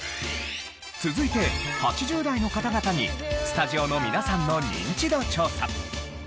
続いて８０代の方々にスタジオの皆さんのニンチド調査。